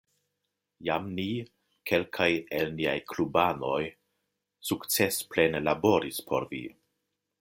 Jam ni, kelkaj el niaj klubanoj, sukcesplene laboris por vi.